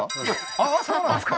ああそうなんですか